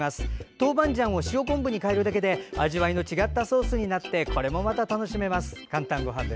豆板醤を塩昆布に代えるだけで味わいの違ったソースになってこれもまた楽しめます。